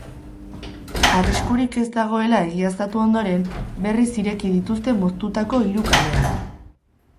Arriskurik ez dagoela egiaztatu ondoren, berriz ireki dituzte moztutako hiru kaleak.